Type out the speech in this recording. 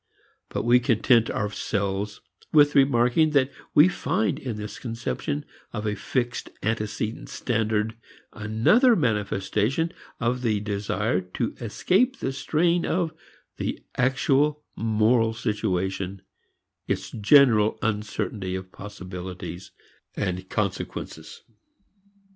But we content ourselves with remarking that we find in this conception of a fixed antecedent standard another manifestation of the desire to escape the strain of the actual moral situation, its genuine uncertainty of possibilities and consequences.